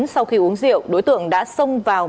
sau khi uống rượu đối tượng đã xông vào